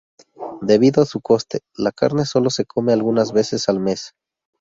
Debido a su coste, la carne solo se come algunas veces al mes.